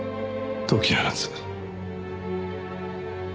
解き放つ？